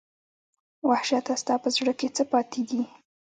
وحشته ستا په زړه کې څـه پاتې دي